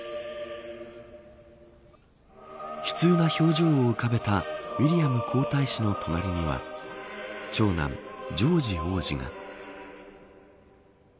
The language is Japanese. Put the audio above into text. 悲痛な表情を浮かべたウィリアム皇太子の隣には長男ジョージ王子が。